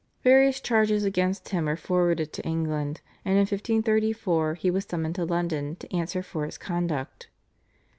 Various charges against him were forwarded to England, and in 1534 he was summoned to London to answer for his conduct.